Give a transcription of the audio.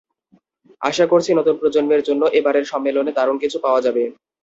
আশা করছি নতুন প্রজন্মের জন্য এবারের সম্মেলনে দারুণ কিছু পাওয়া যাবে।